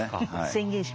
宣言します。